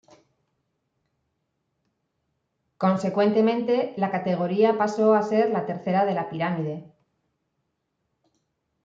Consecuentemente la categoría pasó a ser la tercera de la pirámide.